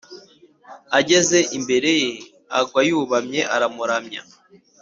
ageze imbere ye agwa yubamye aramuramya.